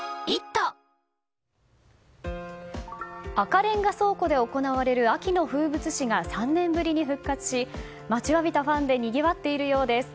赤レンガ倉庫で行われる秋の風物詩が３年ぶりに復活し待ちわびたファンでにぎわっているようです。